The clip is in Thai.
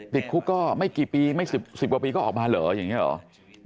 ติดคุกก็ไม่กี่ปีไม่๑๐กว่าปีก็ออกมาเหรออย่างนี้เหรอ